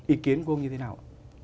ý kiến của ông như thế nào